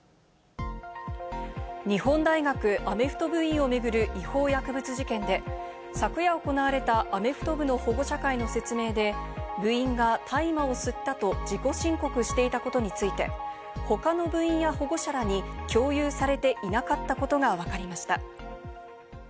日本大学アメフト部員を巡る違法薬物事件で、昨夜行われたアメフト部の保護者会の説明で、部員が大麻を吸ったと自己申告していたことについて、他の部員や保護者らに共有されていなかったことがわかりました。